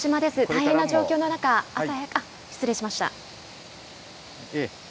大変な状況の中、失礼しました。